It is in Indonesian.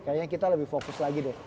kayaknya kita lebih fokus lagi deh